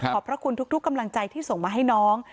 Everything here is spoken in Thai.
พระคุณทุกกำลังใจที่ส่งมาให้น้อง